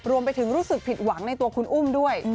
รวมไปถึงรู้สึกผิดหวังในตัวคุณอุ้มด้วย